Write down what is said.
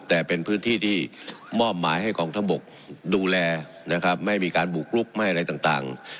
แต่เป็นพื้นที่ที่มอบหมายให้กองทัพบกดูแลนะครับไม่มีการบุกลุกไม่อะไรต่าง